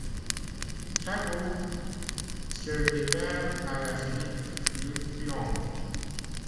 Sa route se révèle par la suite fluctuante.